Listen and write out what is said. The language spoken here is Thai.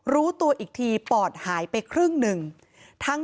รู้ตัวอีกทีปอดหายไปครึ่งหนึ่ง